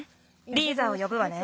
リーザをよぶわね。